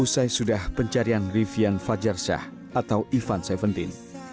usai sudah pencarian rivian fajarsyah atau ivan seventeen